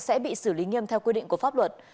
sẽ bị xử lý nghiêm theo quy định của pháp luật